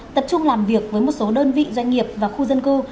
tập trung làm việc với một số đơn vị doanh nghiệp và khu dân cư